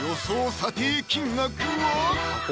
査定金額は？